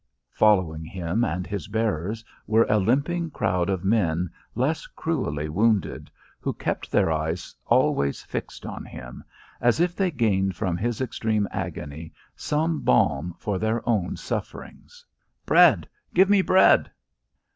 Following him and his bearers were a limping crowd of men less cruelly wounded, who kept their eyes always fixed on him, as if they gained from his extreme agony some balm for their own sufferings. "Bread! Give me bread!"